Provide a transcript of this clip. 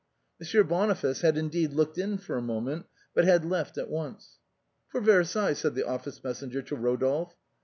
Monsieur Boniface had, indeed, looked in for a moment, but had left at once. " For Versailles," said the office messenger to Eodolphe.